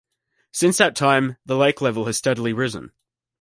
Since that time, the lake level has steadily risen.